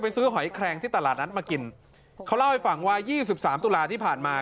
ซื้อหอยแคลงที่ตลาดนัดมากินเขาเล่าให้ฟังว่ายี่สิบสามตุลาที่ผ่านมา